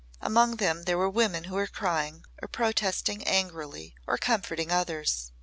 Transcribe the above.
Among them were women who were crying, or protesting angrily or comforting others.